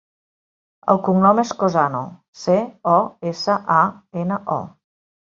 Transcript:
El cognom és Cosano: ce, o, essa, a, ena, o.